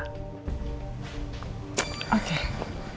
dia mau bikin acara ke pulangan rena